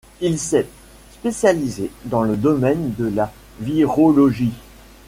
Il s'est spécialisé dans le domaine de la virologie.